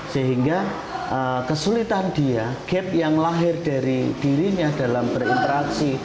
sehingga kesulitan dia gap yang lahir dari dirinya dalam berinteraksi